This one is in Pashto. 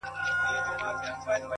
هغه به هغه د هغې دنيا کړي ولاړه به سي;